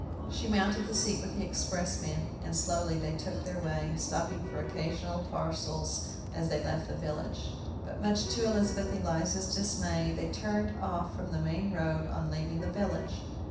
She mounted the seat with the expressman, and slowly they took their way, stopping for occasional parcels as they left the village. But much to Elizabeth Eliza's dismay, they turned off from the main road on leaving the village.